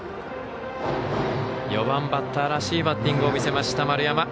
４番バッターらしいバッティングを見せました丸山。